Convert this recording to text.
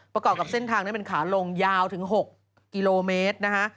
ประกอบกับเส้นทางนั้นเป็นขาลงยาวถึง๖กิโลเมตรนะคะ